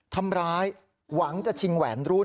ทำร้ายหวังจะชิงแหวนรุ่น